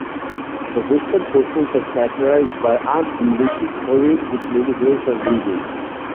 The western portions are characterised by undulating terrain with many hills and ridges.